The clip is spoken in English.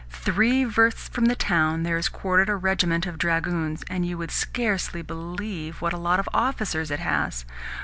Three versts from the town there is quartered a regiment of dragoons, and you would scarcely believe what a lot of officers it has.